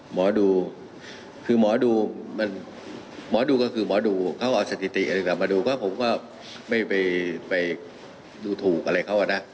หมอดูก็คือหมอดูเค้าเอาสถิติมาดูก็ผมก็ไม่ไปดูถูกอะไรเค้าอะนะ